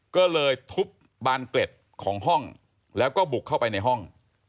ก็เลยทุบบานเกล็ดของห้องแล้วก็บุกเข้าไปในห้อง